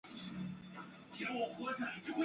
通过检察办案促进复工复产